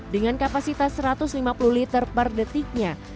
dengan kapasitas satu ratus lima puluh liter per detiknya